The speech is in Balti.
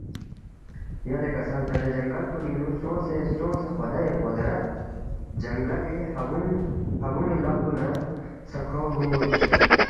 یلے کسل تا دے جنگل کُنِنگ نُو سونگسے سونگسے خُدائی قدرت جنگلی ہبون٘ی لقتُو نہ سہ کھو بُودس